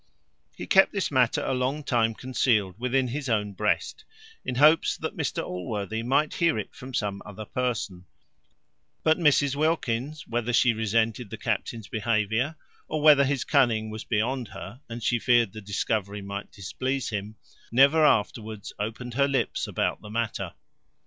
He kept this matter a long time concealed within his own breast, in hopes that Mr Allworthy might hear it from some other person; but Mrs Wilkins, whether she resented the captain's behaviour, or whether his cunning was beyond her, and she feared the discovery might displease him, never afterwards opened her lips about the matter.